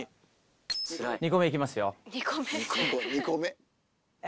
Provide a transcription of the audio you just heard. ２個目行きますよ。